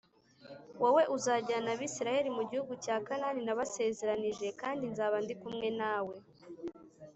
Wowe uzajyana Abisirayeli mu gihugu cya Kanani nabasezeranyije kandi nzaba ndi kumwe nawe